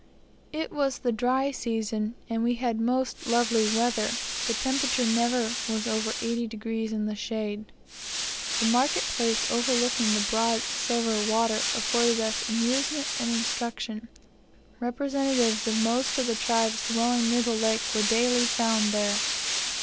It was the dry season, and we had most lovely weather; the temperature never was over 80 degrees in the shade. The market place overlooking the broad silver water afforded us amusement and instruction. Representatives of most of the tribes dwelling near the lake were daily found there.